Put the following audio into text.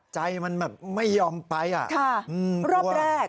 ใจมันไม่ยอมไป